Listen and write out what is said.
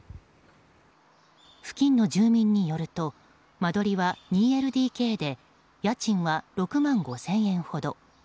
付近の住民によると間取りは２ＬＤＫで家賃は、６万５０００円ほど。